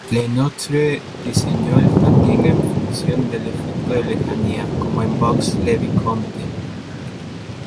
Le Nôtre diseñó el jardín en función del efecto de lejanía, como en Vaux-le-Vicomte.